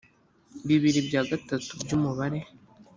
bibiri bya gatatu by umubare